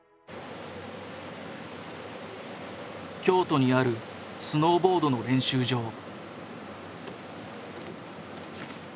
京都にあるスノーボードの練習場。